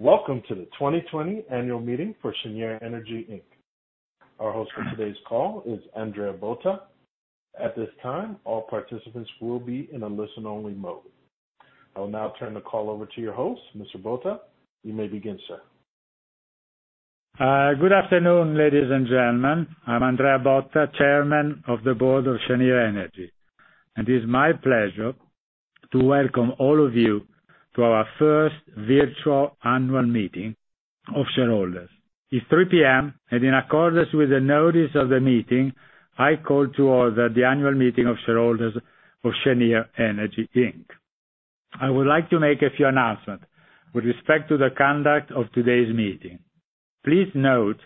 Welcome to the 2020 annual meeting for Cheniere Energy, Inc. Our host for today's call is Andrea Botta. At this time, all participants will be in a listen-only mode. I will now turn the call over to your host, Mr. Botta. You may begin, sir. Good afternoon, ladies and gentlemen. I'm Andrea Botta, Chairman of the Board of Cheniere Energy, and it is my pleasure to welcome all of you to our first virtual annual meeting of shareholders. It's 3:00 P.M., and in accordance with the notice of the meeting, I call to order the annual meeting of shareholders of Cheniere Energy, Inc. I would like to make a few announcements with respect to the conduct of today's meeting. Please note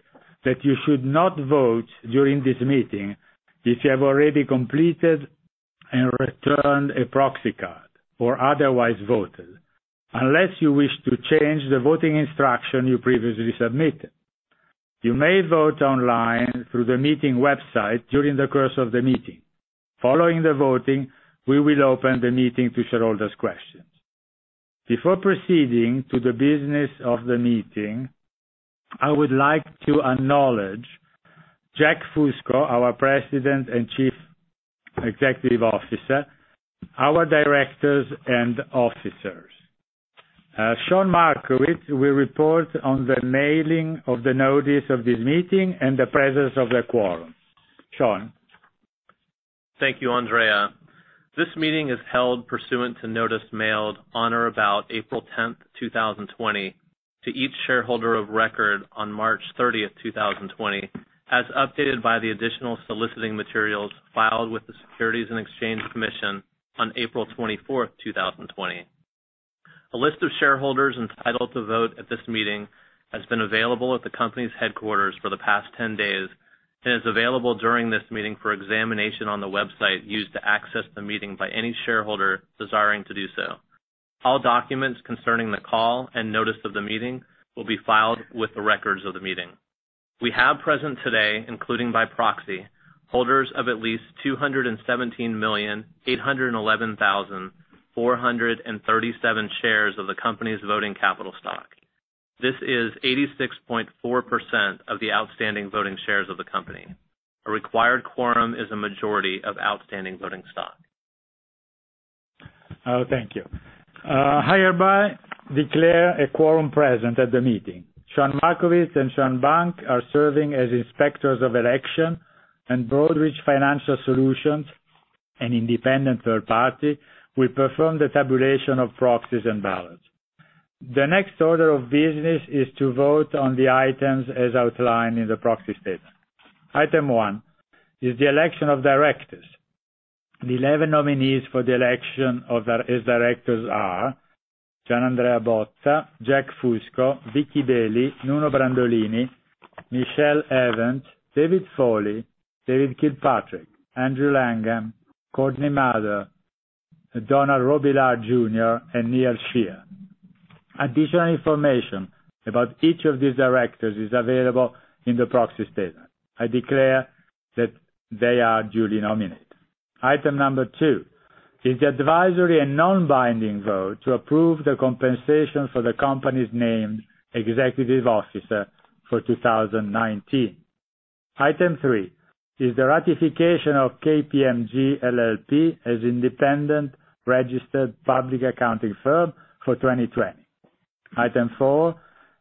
that you should not vote during this meeting if you have already completed and returned a proxy card or otherwise voted, unless you wish to change the voting instruction you previously submitted. You may vote online through the meeting website during the course of the meeting. Following the voting, we will open the meeting to shareholders' questions. Before proceeding to the business of the meeting, I would like to acknowledge Jack Fusco, our President and Chief Executive Officer, our directors, and officers. Sean Markowitz will report on the mailing of the notice of this meeting and the presence of the quorum. Sean? Thank you, Andrea. This meeting is held pursuant to notice mailed on or about April 10th, 2020, to each shareholder of record on March 30th, 2020 as updated by the additional soliciting materials filed with the Securities and Exchange Commission on April 24th, 2020. A list of shareholders entitled to vote at this meeting has been available at the company's headquarters for the past 10 days and is available during this meeting for examination on the website used to access the meeting by any shareholder desiring to do so. All documents concerning the call and notice of the meeting will be filed with the records of the meeting. We have present today, including by proxy, holders of at least 217,811,437 shares of the company's voting capital stock. This is 86.4% of the outstanding voting shares of the company. A required quorum is a majority of outstanding voting stock. Thank you. I hereby declare a quorum present at the meeting. Sean Markowitz and Sean Bank are serving as inspectors of election and Broadridge Financial Solutions, an independent third party, will perform the tabulation of proxies and ballots. The next order of business is to vote on the items as outlined in the proxy statement. Item 1 is the election of directors. The 11 nominees for the election as directors are: G. Andrea Botta, Jack Fusco, Vicky Bailey, Nuno Brandolini, Michele Evans, David Foley, David Kilpatrick, Andrew Langham, Courtney Mather, Donald Robillard Jr., and Neal Shear. Additional information about each of these directors is available in the proxy statement. I declare that they are duly nominated. Item number 2 is the advisory and non-binding vote to approve the compensation for the company's named executive officer for 2019. Item three is the ratification of KPMG LLP as independent registered public accounting firm for 2020. Item four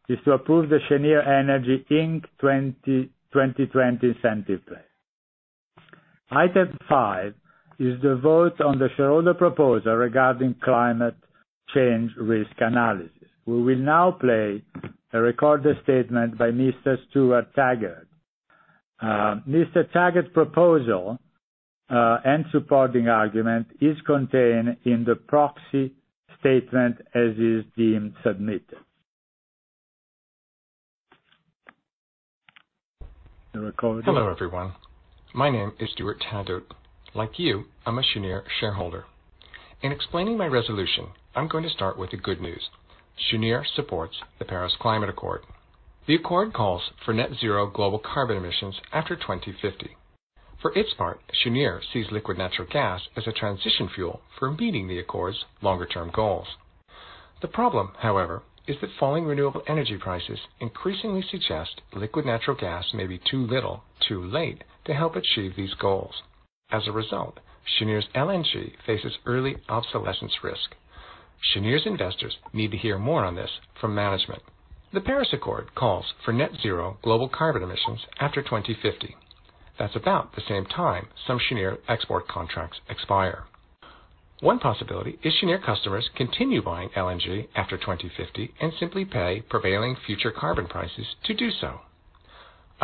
is to approve the Cheniere Energy, Inc. 2020 Incentive Plan. Item five is the vote on the shareholder proposal regarding climate change risk analysis. We will now play a recorded statement by Mr. Stuart Taggart. Mr. Taggart proposal, and supporting argument is contained in the proxy statement as is deemed submitted. The recording. Hello, everyone. My name is Stuart Taggart. Like you, I'm a Cheniere shareholder. In explaining my resolution, I'm going to start with the good news. Cheniere supports the Paris Climate Accord. The accord calls for net zero global carbon emissions after 2050. For its part, Cheniere sees liquefied natural gas as a transition fuel for meeting the accord's longer-term goals. The problem, however, is that falling renewable energy prices increasingly suggest liquefied natural gas may be too little, too late to help achieve these goals. As a result, Cheniere's LNG faces early obsolescence risk. Cheniere's investors need to hear more on this from management. The Paris Accord calls for net zero global carbon emissions after 2050. That's about the same time some Cheniere export contracts expire. One possibility is Cheniere customers continue buying LNG after 2050 and simply pay prevailing future carbon prices to do so.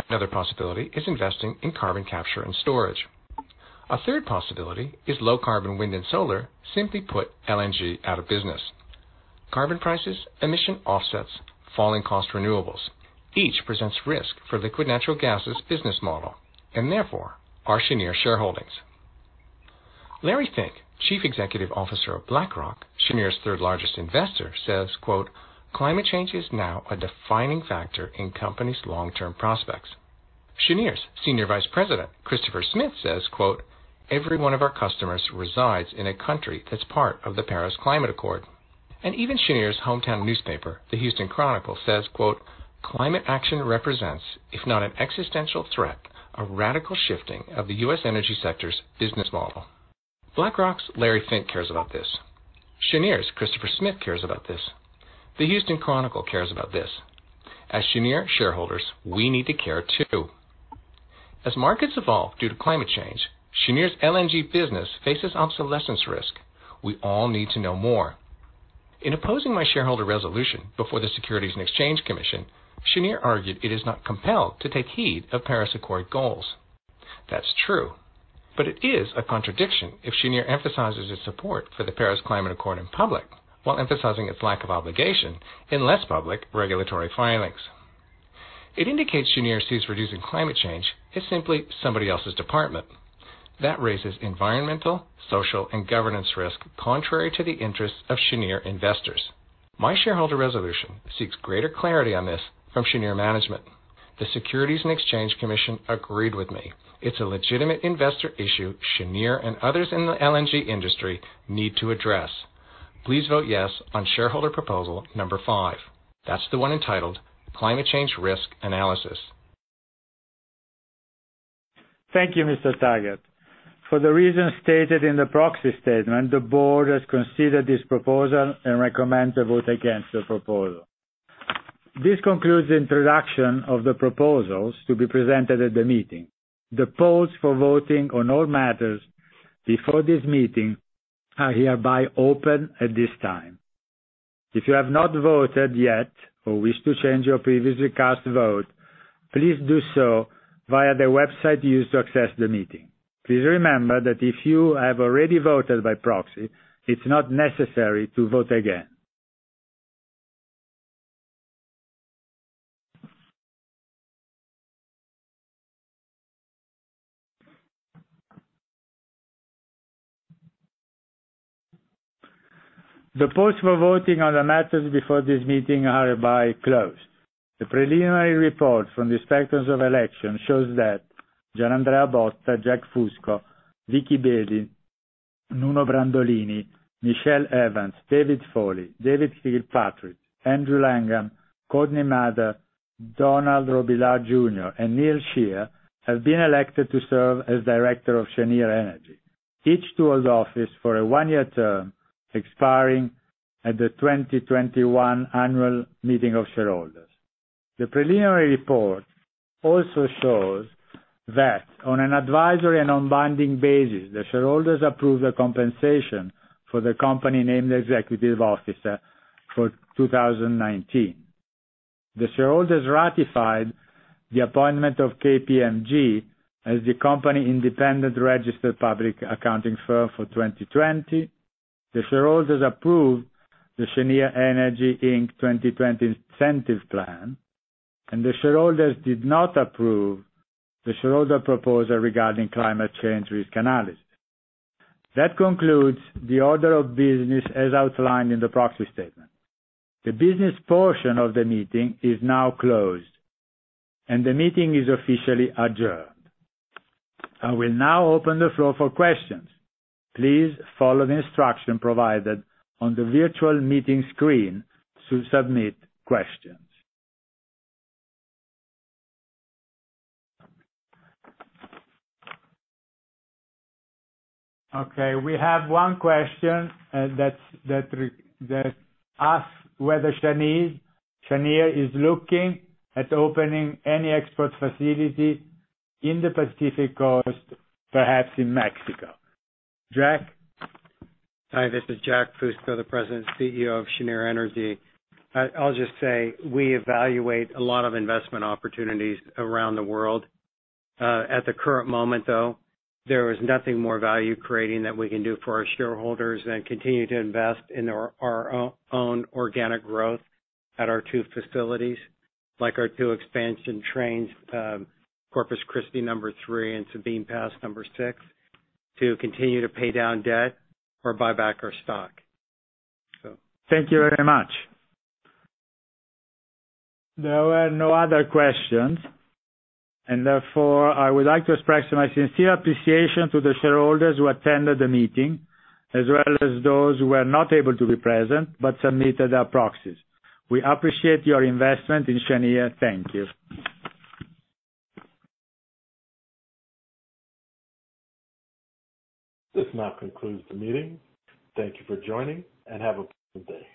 Another possibility is investing in carbon capture and storage. A third possibility is low carbon wind and solar simply put LNG out of business. Carbon prices, emission offsets, falling cost renewables, each presents risk for liquid natural gas' business model, and therefore our Cheniere shareholdings. Larry Fink, Chief Executive Officer of BlackRock, Cheniere's third-largest investor, says, quote, "Climate change is now a defining factor in companies' long-term prospects." Cheniere's Senior Vice President, Christopher Smith, says, quote, "Every one of our customers resides in a country that's part of the Paris Agreement." Even Cheniere's hometown newspaper, the Houston Chronicle, says, quote, "Climate action represents, if not an existential threat, a radical shifting of the U.S. energy sector's business model." BlackRock's Larry Fink cares about this. Cheniere's Christopher Smith cares about this. The Houston Chronicle cares about this. As Cheniere shareholders, we need to care, too. As markets evolve due to climate change, Cheniere's LNG business faces obsolescence risk. We all need to know more. In opposing my shareholder resolution before the Securities and Exchange Commission, Cheniere argued it is not compelled to take heed of Paris Agreement goals. That's true. It is a contradiction if Cheniere emphasizes its support for the Paris Agreement in public while emphasizing its lack of obligation in less public regulatory filings. It indicates Cheniere sees reducing climate change as simply somebody else's department. That raises environmental, social, and governance risk contrary to the interests of Cheniere investors. My shareholder resolution seeks greater clarity on this from Cheniere management. The Securities and Exchange Commission agreed with me. It's a legitimate investor issue Cheniere and others in the LNG industry need to address. Please vote yes on shareholder proposal number five. That's the one entitled Climate Change Risk Analysis. Thank you, Mr. Taggart. For the reasons stated in the proxy statement, the board has considered this proposal and recommend to vote against the proposal. This concludes the introduction of the proposals to be presented at the meeting. The polls for voting on all matters before this meeting are hereby open at this time. If you have not voted yet or wish to change your previously cast vote, please do so via the website you used to access the meeting. Please remember that if you have already voted by proxy, it's not necessary to vote again. The polls for voting on the matters before this meeting are hereby closed. The preliminary report from the inspectors of election shows that Gianandrea Botta, Jack Fusco, Vicky Bailey, Nuno Brandolini, Michele Evans, David Foley, David Kilpatrick, Andrew Langham, Courtney Mather, Donald Robillard Jr., and Neal Shear have been elected to serve as director of Cheniere Energy, each to hold office for a one-year term expiring at the 2021 annual meeting of shareholders. The preliminary report also shows that on an advisory and non-binding basis, the shareholders approved the compensation for the company named executive officer for 2019. The shareholders ratified the appointment of KPMG as the company independent registered public accounting firm for 2020. The shareholders approved the Cheniere Energy, Inc. 2020 Incentive Plan. The shareholders did not approve the shareholder proposal regarding climate change risk analysis. That concludes the order of business as outlined in the proxy statement. The business portion of the meeting is now closed, and the meeting is officially adjourned. I will now open the floor for questions. Please follow the instruction provided on the virtual meeting screen to submit questions. Okay, we have one question that asks whether Cheniere is looking at opening any export facility in the Pacific Coast, perhaps in Mexico. Jack? Hi, this is Jack Fusco, the President and CEO of Cheniere Energy. I'll just say we evaluate a lot of investment opportunities around the world. At the current moment, though, there is nothing more value creating that we can do for our shareholders than continue to invest in our own organic growth at our two facilities, like our two expansion trains, Corpus Christi number 3 and Sabine Pass number 6, to continue to pay down debt or buy back our stock. Thank you very much. There were no other questions. Therefore, I would like to express my sincere appreciation to the shareholders who attended the meeting as well as those who were not able to be present but submitted their proxies. We appreciate your investment in Cheniere. Thank you. This now concludes the meeting. Thank you for joining, and have a pleasant day.